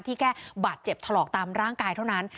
แค่บาดเจ็บถลอกตามร่างกายเท่านั้น